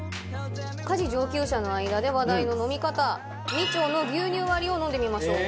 家事上級者の間で話題の飲み方美酢の牛乳割りを飲んでみましょう。